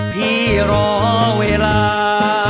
พี่รอเวลา